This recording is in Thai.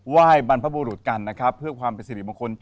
ยบรรพบุรุษกันนะครับเพื่อความเป็นสิริมงคล